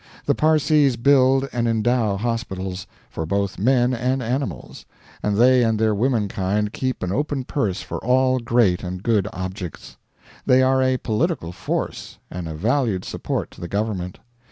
The Parsees build and endow hospitals, for both men and animals; and they and their womenkind keep an open purse for all great and good objects. They are a political force, and a valued support to the government.